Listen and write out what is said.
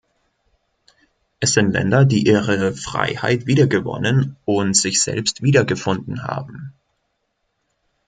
Es sind Länder, die ihre Freiheit wiedergewonnen und sich selbst wiedergefunden haben.